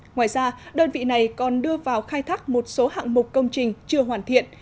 ngoài ra đơn vị này còn đưa vào khai thác một số hạng mục công trình chưa hoàn thiện